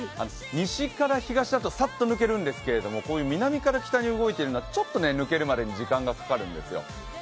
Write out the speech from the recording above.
西から東だとサッと抜けるんですけれども、こういう南から北に動いているのはちょっと抜けるまでに時間がかかるんですよ。